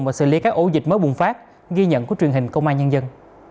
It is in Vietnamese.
và xử lý các ổ dịch mới bùng phát ghi nhận của truyền hình công an nhân dân